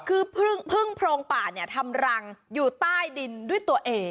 คือพึ่งโพรงป่าเนี่ยทำรังอยู่ใต้ดินด้วยตัวเอง